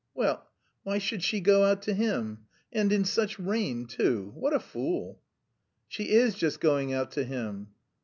"Well! Why should she go out to him? And... in such rain too... what a fool!" "She is just going out to him!"